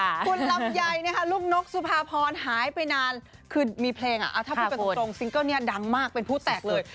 คุณลำไยนะคะลูกนกสุภาพรหายไปนานคือมีเพลงถ้าพูดกันตรงซิงเกิ้ลเนี่ยดังมากเป็นผู้แตกเลย